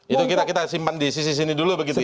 itu kita simpan di sisi sini dulu begitu ya